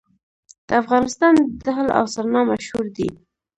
د افغانستان دهل او سرنا مشهور دي